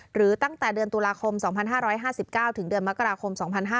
หรือตั้งแต่เดือนตุลาคม๒๕๕๙ถึงเดือนมกราคม๒๕๕๙